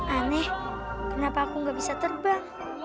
aneh kenapa aku nggak bisa terbang